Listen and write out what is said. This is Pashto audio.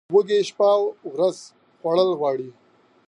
وزې شپه او ورځ خوړل غواړي